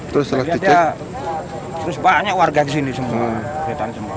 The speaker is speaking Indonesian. terus banyak warga kesini semua